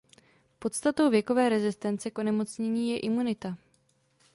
Podstatou věkové rezistence k onemocnění je imunita.